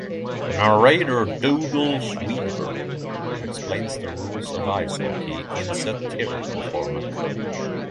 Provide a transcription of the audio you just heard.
Narrator Doodles Weaver explains the rules of ice hockey in satirical format.